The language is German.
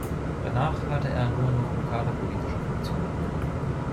Danach hatte er nur noch lokale politische Funktionen inne.